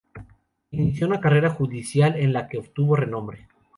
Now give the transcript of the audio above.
Inició una carrera judicial en la que obtuvo renombre.